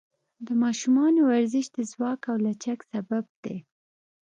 د ماشومانو ورزش د ځواک او لچک سبب دی.